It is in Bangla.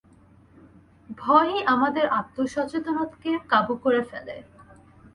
ভয়ই আমাদের আত্ম-সচেতনতাকে কাবু করে ফেলে।